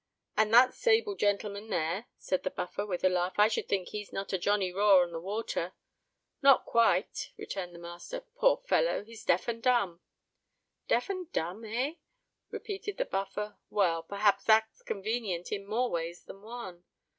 "And that sable gentleman there," said the Buffer, with a laugh,—"I should think he's not a Johnny Raw on the water?" "Not quite," returned the master. "Poor fellow! he's deaf and dumb!" "Deaf and dumb, eh?" repeated the Buffer. "Well,—p'rhaps that's convenient in more ways than one."